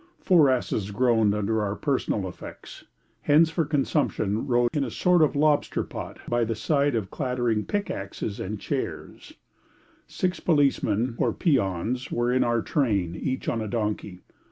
Four asses groaned under our personal effects; hens for consumption rode in a sort of lobster pot by the side of clattering pickaxes and chairs; six policemen, or peons, were in our train, each on a donkey.